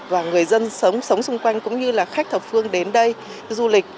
và người dân sống xung quanh cũng như là khách thập phương đến đây du lịch